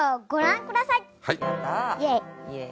イエイ！